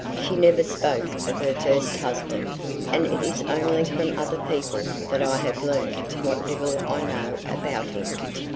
She never spoke of her first husband, and it is only from other people that I have learnt what little I know about him.